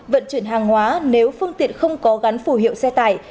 vận chuyển hàng hóa nếu phương tiện không có gắn phủ hiệu xe tải